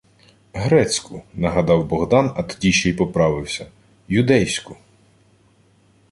— Грецьку, — нагадав Богдан, а тоді ще й поправився: — Юдейську.